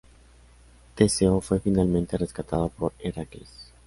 Teseo fue finalmente rescatado por Heracles.